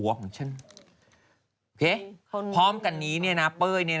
วันที่สุดท้าย